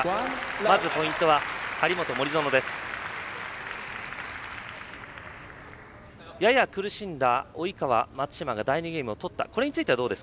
まずポイントは張本、森薗です。